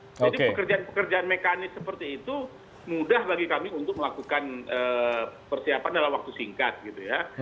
jadi pekerjaan pekerjaan mekanis seperti itu mudah bagi kami untuk melakukan persiapan dalam waktu singkat gitu ya